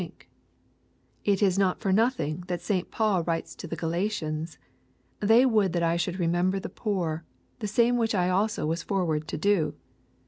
155 irink/'— It is not for nothing that St. Paul writes to the Galatians, " They would that I should lemember the poor ; the same which I also was forward to do."